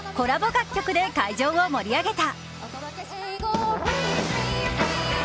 楽曲で会場を盛り上げた。